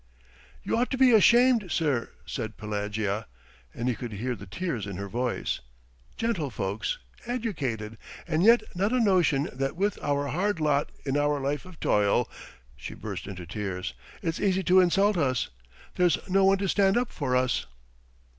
"You ought to be ashamed, sir," said Pelagea, and he could hear the tears in her voice. "Gentlefolks ... educated, and yet not a notion that with our hard lot ... in our life of toil" she burst into tears. "It's easy to insult us. There's no one to stand up for us."